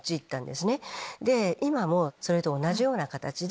今もそれと同じような形で。